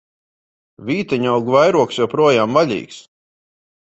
Vīteņaugu vairogs joprojām vaļīgs!